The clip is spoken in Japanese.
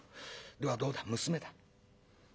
ではどうだ娘だ。